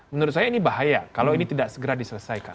menurut saya ini bahaya kalau ini tidak segera diselesaikan